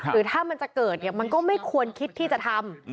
หรือถ้ามันจะเกิดเนี่ยมันก็ไม่ควรคิดที่จะทำ